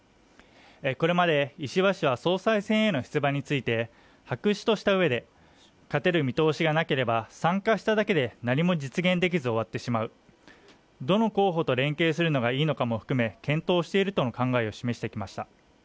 これまで石破氏は総裁選への出馬について白紙とした上で勝てる見通しがなければ参加しただけで何も実現できず終わってしまうどの候補と連携するのがいいのかも含め検討しているとの考えを示してきました